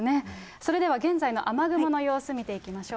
それでは現在の雨雲の様子、見ていきましょう。